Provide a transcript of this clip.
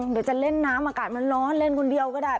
เดี๋ยวจะเล่นน้ำอากาศมันร้อนเล่นคนเดียวก็ได้